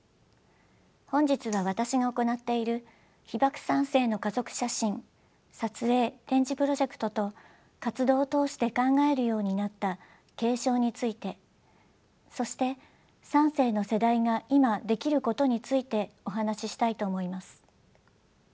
本日は私が行っている「被爆三世の家族写真撮影・展示プロジェクト」と活動を通して考えるようになった継承についてそして三世の世代が今できることについてお話ししたいと思います。